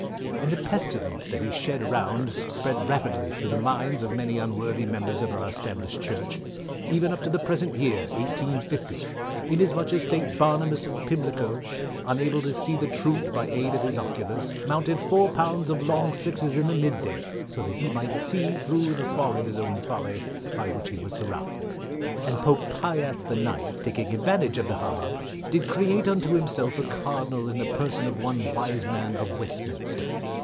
"And the pestilance that he shed around spread rapidly through the minds of many unworthy members of our established Church; even up to the present year, 1850, inasmuch that St. Barnabus, of Pimlico, unable to see the truth by the aid of his occulars, mounted four pounds of long sixes in the mid day, that he might see through the fog of his own folly, by which he was surrounded. "And Pope Pi ass the nineth taking advantage of the hubub, did create unto himself a Cardinal in the person of one Wiseman of Westminster.